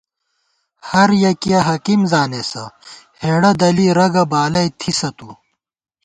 ہریَکِیہ حکیم زانېسہ ، ہېڑہ دَلی رگہ بالَئ تھِسہ تُو